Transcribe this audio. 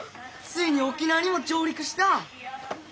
ついに沖縄にも上陸した！